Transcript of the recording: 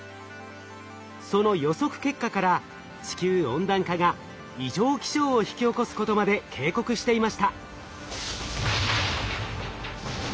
その予測結果から地球温暖化が異常気象を引き起こすことまで警告していました。